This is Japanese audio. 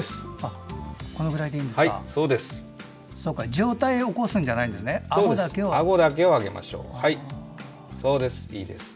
上体を起こすんじゃなくあごだけですね。